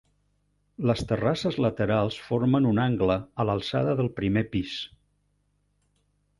Les terrasses laterals formen un angle, a l'alçada del primer pis.